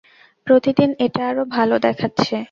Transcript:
প্রতিদিন এটা আরও ভালো দেখাচ্ছে।